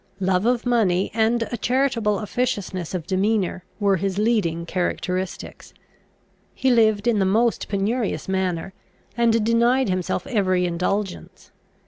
Love of money, and a charitable officiousness of demeanour, were his leading characteristics. He lived in the most penurious manner, and denied himself every indulgence.